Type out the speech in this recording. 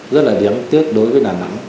rất là đáng tiếc đối với đà nẵng